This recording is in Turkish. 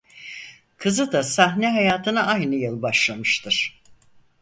Kızı da sahne hayatına aynı yıl başlamıştır.